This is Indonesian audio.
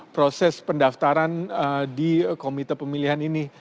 proses pendaftaran di komite pemilihan ini